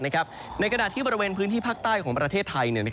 ในขณะที่บริเวณพื้นที่ภาคใต้ของประเทศไทย